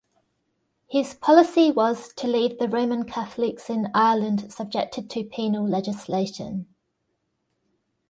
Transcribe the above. His policy was to leave the Roman Catholics in Ireland subjected to penal legislation.